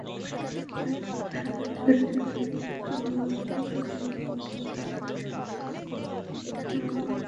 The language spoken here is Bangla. ফরিদপুরের সদরপুরে একটি পারিবারিক কালীমন্দিরের প্রতিমা ভাঙচুরের ঘটনায় সদরপুর থানায় মামলা করা হয়েছে।